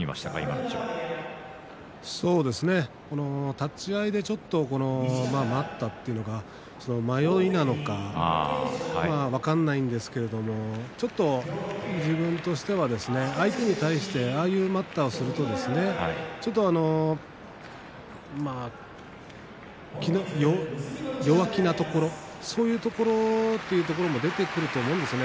立ち合いでちょっと待ったというのが迷いなのか分からないんですけれどちょっと自分としては相手に対してああいう待ったをすると弱気なところ、そういうところ出てくると思うんですよね。